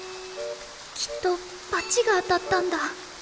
きっとバチが当たったんだ。